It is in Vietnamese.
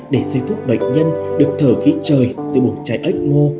để giây phút bệnh nhân được thở khí trời từ buồng trái ếch mô